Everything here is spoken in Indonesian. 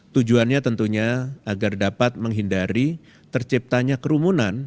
tujuannya tentunya agar dapat menghindari terciptanya kerumunan